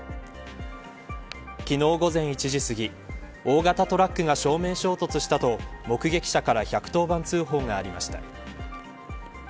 昨日午前１時すぎ大型トラックが正面衝突したと目撃者から１１０番通報がありました。